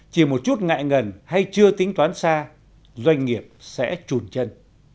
chỉ một chút ngại ngần hay chưa tính toán xa doanh nghiệp sẽ trùn chân